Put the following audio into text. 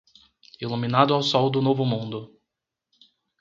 Iluminado ao sol do Novo Mundo